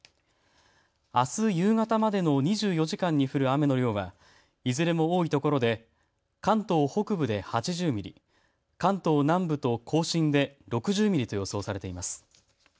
あす夕方までの２４時間に降る雨の量はいずれも多い所で関東北部で８０ミリ、関東南部と甲信で６０ミリと予想されています。